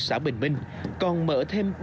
xã bình minh còn mở thêm